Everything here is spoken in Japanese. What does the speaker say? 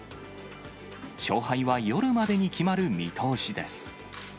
勝敗は夜までに決まる見通しです。